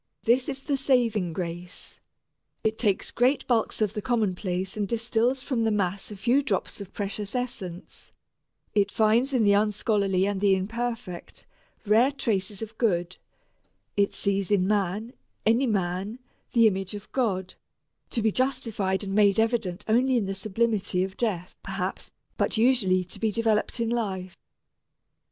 This is the saving grace it takes great bulks of the commonplace and distils from the mass a few drops of precious essence; it finds in the unscholarly and the imperfect, rare traces of good; it sees in man, any man, the image of God, to be justified and made evident only in the sublimity of death, perhaps, but usually to be developed in life.